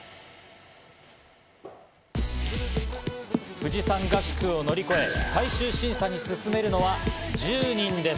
富士山合宿を乗り越え、最終審査に進めるのは１０人です。